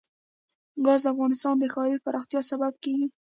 ګاز د افغانستان د ښاري پراختیا سبب کېږي.